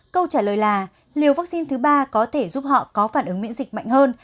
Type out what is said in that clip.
câu trả lời là liều vaccine thứ ba có thể giúp họ có phản ứng miễn dịch mạnh hơn